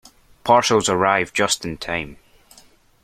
Parcels arrive just in time.